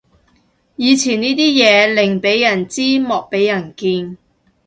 以前呢啲嘢寧俾人知莫俾人見